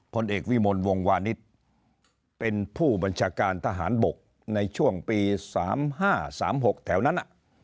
ผลเอกวิมลวงวานิสเป็นผู้บัญชาการทหารบกในช่วงปี๓๕๓๖แถวนั้น